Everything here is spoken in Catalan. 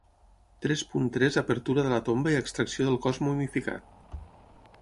Tres punt tres Apertura de la tomba i extracció del cos momificat.